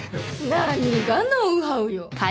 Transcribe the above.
何がノウハウよ。